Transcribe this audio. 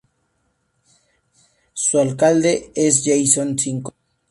Su alcalde es Jackson Cinco Dy.